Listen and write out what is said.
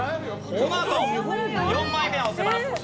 このあと４枚目は押せます。